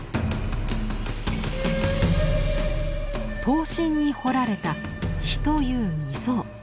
刀身に彫られたという溝。